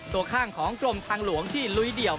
ตัวข้างของกรมทางหลวงที่ลุยเดี่ยว